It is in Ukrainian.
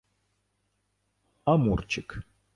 амурчик